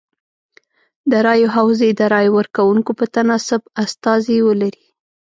د رایو حوزې د رای ورکوونکو په تناسب استازي ولري.